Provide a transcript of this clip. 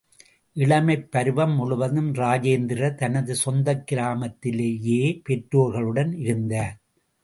இளமைப் பருவம் முழுவதும் இராஜேந்திரர் தனது சொந்தக் கிராமத்திலேயே பெற்றோர்களுடன் இருந்தார்.